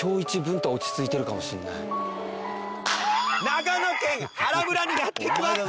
長野県原村にやって来ました！